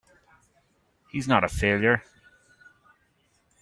He's not a failure!